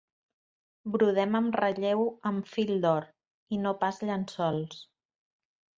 Brodem amb relleu amb fil d'or, i no pas llençols.